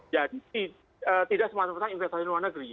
jadi tidak semuanya tentang investasi luar negeri